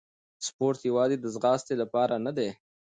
سپورت یوازې د ځغاستې لپاره نه دی.